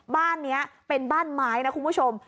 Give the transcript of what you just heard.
บ้านนี้เป็นบ้านไม้นะคุณผู้ชม